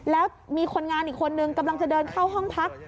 แล้วมีคนงานอีกคนนึงกำลังจะเดินเข้าห้องพัก